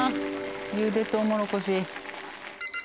茹でトウモロコシ。